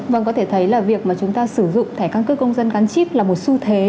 vâng có thể thấy là việc mà chúng ta sử dụng thẻ căn cước công dân gắn chip là một xu thế